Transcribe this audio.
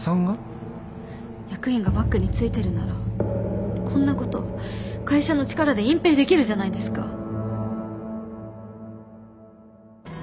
役員がバックに付いてるならこんなこと会社の力で隠蔽できるじゃないですか。